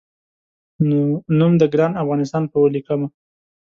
نوم د ګران افغانستان په ولیکمه